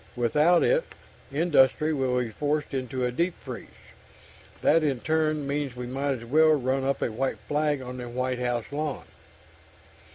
Without it, industry will be forced into a deep freeze. That in turn means we might as well run up a white flag on the White House lawn."